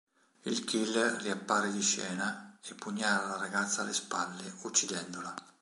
Il killer riappare di scena e pugnala la ragazza alle spalle, uccidendola.